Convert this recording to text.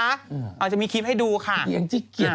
อ้างจี้เกลียดผมเกลียดจังเลยอะ